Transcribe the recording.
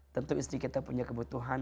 tentu istri kita punya kebutuhan